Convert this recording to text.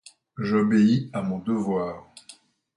J’obéis à mon devoir.